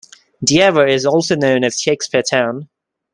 Diever is also known as "Shakespeare-town".